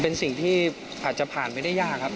เป็นสิ่งที่อาจจะผ่านไปได้ยากครับ